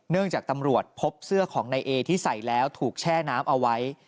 จากตำรวจพบเสื้อของนายเอที่ใส่แล้วถูกแช่น้ำเอาไว้